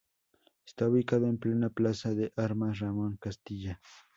Está ubicado en plena Plaza de Armas Ramón Castilla.